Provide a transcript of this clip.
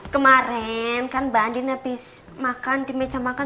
kemarin kan mbak adin habis makan di meja makan